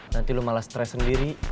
nanti lo malah stres sendiri